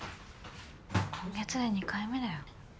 今月で２回目だよ。